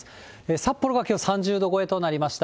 札幌がきょう３０度超えとなりました。